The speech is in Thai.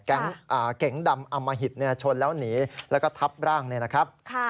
เก๋งดำอมหิตชนแล้วหนีแล้วก็ทับร่างเนี่ยนะครับ